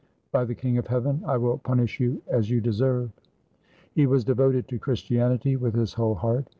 By the King of Heaven, I will punish you as you deserve." He was devoted to Christianity with his whole heart.